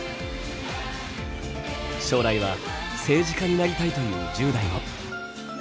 将来は政治家になりたいという１０代も。